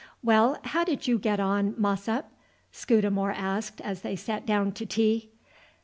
"Well, how did you get on, Mossop?" Scudamore asked as they sat down to tea.